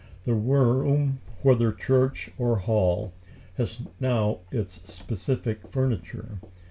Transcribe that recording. The room, whether church or hall, had now its specific furniture.